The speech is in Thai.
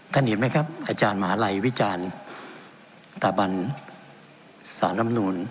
เห็นไหมครับอาจารย์มหาลัยวิจารณ์ตะบันสารรำนูล